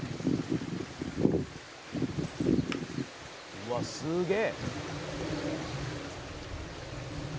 「うわっすげえ！」